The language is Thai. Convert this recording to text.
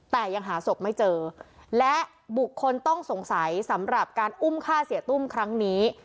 แต่ยังหาศพไม่เจอและบุคคลต้องสงสัยสำหรับการอุ้มฆ่าเสียตุ้มครั้งนี้